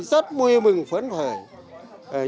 rất mưu mừng phấn khởi